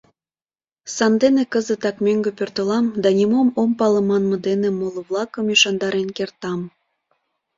Сандене кызытак мӧҥгӧ пӧртылам да нимом ом пале манме дене моло-влакым ӱшандарен кертам.